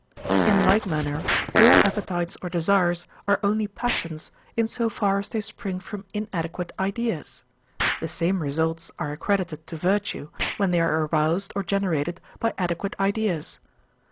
In like manner all appetites or desires are only passions, in so far as they spring from inadequate ideas; the same results are accredited to virtue, when they are aroused or generated by adequate ideas.